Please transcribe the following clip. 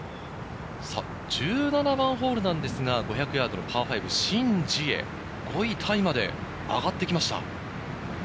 １７番ホールなんですが、５００ヤードのパー５、シン・ジエ、５位タイまで上がってきました。